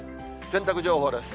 洗濯情報です。